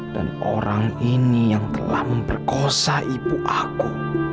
dan orang ini yang telah memperkosa ibu aku